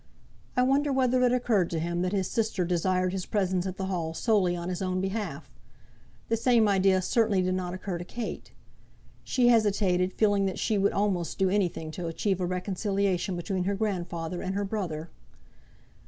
I wonder whether it occurred to him that his sister desired his presence at the Hall solely on his own behalf. The same idea certainly did not occur to Kate. She hesitated, feeling that she would almost do anything to achieve a reconciliation between her grandfather and her brother.